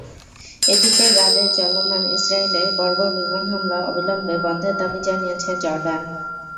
এদিকে গাজায় চলমান ইসরায়েলের বর্বর বিমান হামলা অবিলম্বে বন্ধের দাবি জানিয়েছে জর্ডান।